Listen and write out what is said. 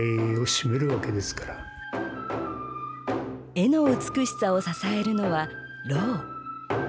絵の美しさを支えるのは蝋。